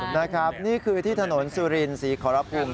นะครับนี่คือที่ถนนสุรินศรีขอรภูมิ